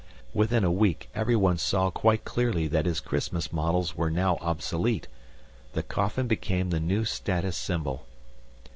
Within a week, everyone saw quite clearly that his Christmas models were now obsolete. The coffin became the new status symbol.